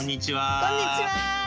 こんにちは。